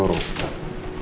laut aja ada pasang surut